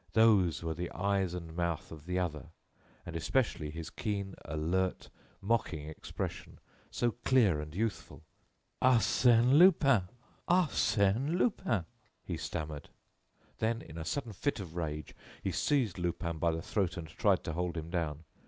Those were the eyes and mouth of the other, and especially his keen, alert, mocking expression, so clear and youthful! "Arsène Lupin, Arsène Lupin," he stammered. Then, in a sudden fit of rage, he seized Lupin by the throat and tried to hold him down.